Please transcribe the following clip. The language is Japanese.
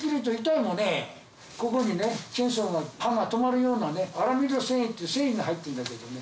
ここにチェーンソーの刃が止まるようなアラミド繊維っていう繊維が入ってんだけどね